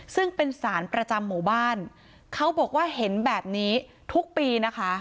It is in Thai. ซึ่งเป็นสารประจำหมู่บ้านเขาบอกว่าเห็นแบบนี้ทุกปีนะคะ